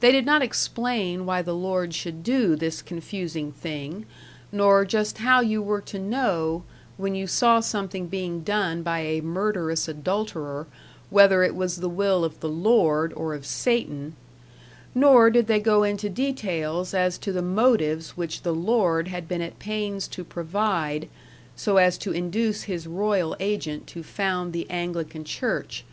They did not explain why the Lord should do this confusing thing, nor just how you were to know, when you saw something being done by a murderous adulterer, whether it was the will of the Lord or of Satan; nor did they go into details as to the motives which the Lord had been at pains to provide, so as to induce his royal agent to found the Anglican Church.